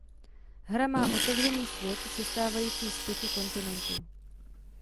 Hra má otevřený svět sestávající z pěti kontinentů.